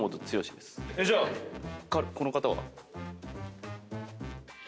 じゃあこの方は？